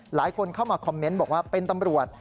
หลายคนเข้ามาคอมเมนต์บอกว่าเป็นตำรวจ